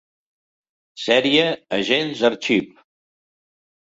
Sèrie Agents Archive.